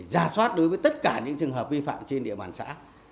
giả soát đối với tất cả những trường hợp vi phạm trên địa bàn xã